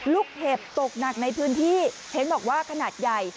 เห็บตกหนักในพื้นที่เห็นบอกว่าขนาดใหญ่